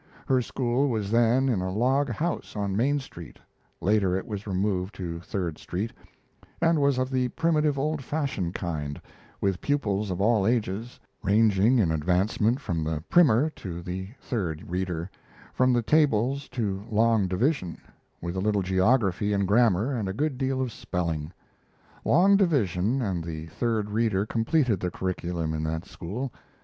Her school was then in a log house on Main Street (later it was removed to Third Street), and was of the primitive old fashioned kind, with pupils of all ages, ranging in advancement from the primer to the third reader, from the tables to long division, with a little geography and grammar and a good deal of spelling. Long division and the third reader completed the curriculum in that school.